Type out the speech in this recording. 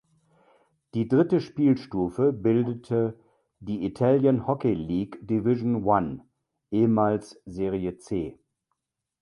Die dritte Spielstufe bildete die "Italian Hockey League Division I" (ehemals Serie C).